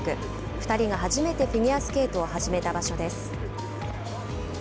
２人が初めてフィギュアスケートを始めた場所です。